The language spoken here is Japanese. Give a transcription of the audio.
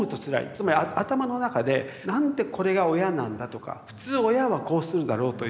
つまり頭の中で「なんでこれが親なんだ」とか「普通親はこうするだろう」という。